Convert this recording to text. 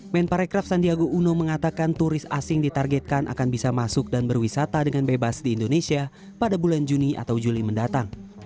men parekraf sandiago uno mengatakan turis asing ditargetkan akan bisa masuk dan berwisata dengan bebas di indonesia pada bulan juni atau juli mendatang